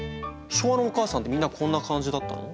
昭和のお母さんってみんなこんな感じだったの？